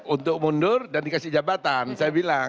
untuk mundur dan dikasih jabatan saya bilang